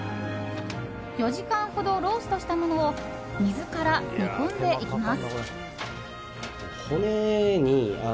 ４時間ほどローストしたものを水から煮込んでいきます。